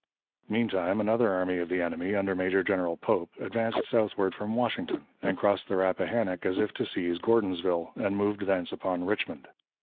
Meantime, another army of the enemy, under Major General Pope, advanced southward from Washington, and crossed the Rappahannock as if to seize Gordonsville, and move thence upon Richmond.